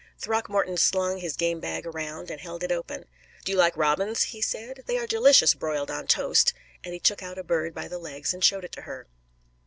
Throckmorton slung his game bag around and held it open. "Do you like robins?" he said. "They are delicious broiled on toast" and he took out a bird by the legs and showed it to her.